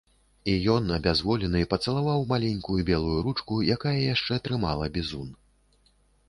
І ён, абязволены, пацалаваў маленькую белую ручку, якая яшчэ трымала бізун.